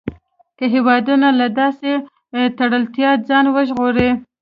که هېوادونه له داسې تړلتیا ځان وژغوري.